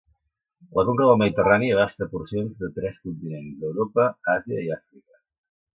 La conca del Mediterrani abasta porcions de tres continents, Europa, Àsia, i Àfrica.